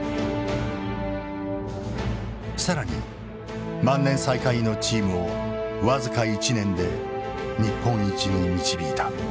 更に万年最下位のチームを僅か１年で日本一に導いた。